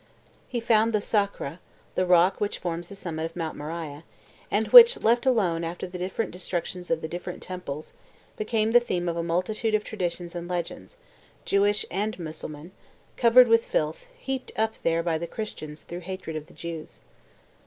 '" He found the Sakhra (the rock which forms the summit of Mount Moriah,) and which, left alone after the different destructions of the different temples, became the theme of a multitude of traditions and legends, (Jewish and Mussulman) covered with filth, heaped up there by the Christians through hatred of the Jews.